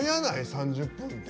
３０分って。